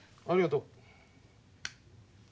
ありがとう。